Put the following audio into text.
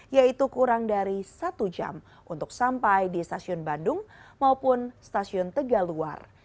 yaitu kurang dari satu jam untuk sampai di stasiun bandung maupun stasiun tegaluar